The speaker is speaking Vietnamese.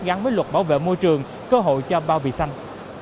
gắn với luật bảo vệ môi trường cơ hội cho bao bì xanh